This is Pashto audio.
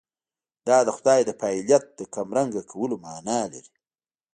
دا د خدای د فاعلیت د کمرنګه کولو معنا لري.